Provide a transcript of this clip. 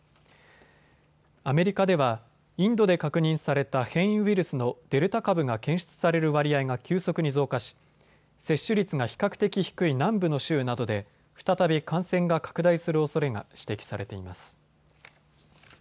アメリカではインドで確認された変異ウイルスのデルタ株が検出される割合が急速に増加し、接種率が比較的低い南部の州などで再び感染が拡大するおそれが指摘されています。